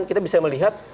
kita bisa melihat